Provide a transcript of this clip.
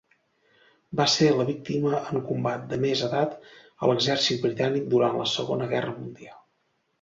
Va ser la víctima en combat de més edat a l'exèrcit britànic durant la Segona Guerra Mundial.